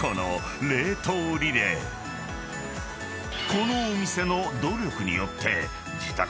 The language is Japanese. ［このお店の努力によって］